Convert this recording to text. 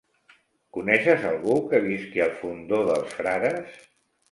Coneixes algú que visqui al Fondó dels Frares?